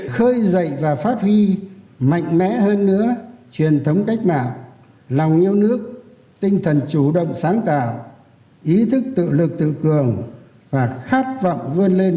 khơi dậy và phát huy mạnh mẽ hơn nữa truyền thống cách mạng lòng yêu nước tinh thần chủ động sáng tạo ý thức tự lực tự cường và khát vọng vươn lên